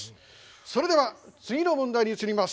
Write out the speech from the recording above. それでは次の問題に移ります。